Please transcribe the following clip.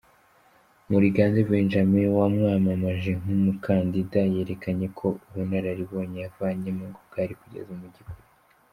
Murigande Benjamin wamwamamaje nk’umukandida, yerekanye ko ubunararibonye yavanyemo ngo bwari kugeza umujyi kure.